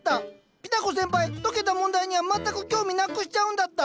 ピタ子先輩解けた問題には全く興味なくしちゃうんだった。